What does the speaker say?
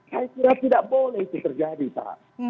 saya kira tidak boleh itu terjadi pak